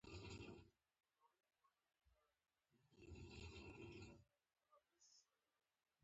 په ما مېپلار ګران ده او پری ویاړم